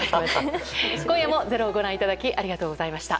今夜も「ｚｅｒｏ」をご覧いただきありがとうございました。